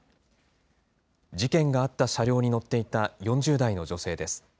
事件があった車両に乗っていた４０代の女性です。